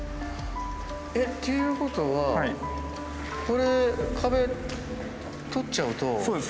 えていうことはこれ壁取っちゃうと。